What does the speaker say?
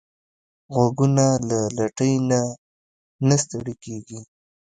غوږونه له لټۍ نه نه ستړي کېږي